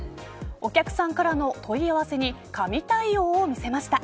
お客さんからの問い合わせに神対応を見せました。